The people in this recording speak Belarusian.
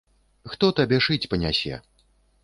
Хто табе шыць панясе?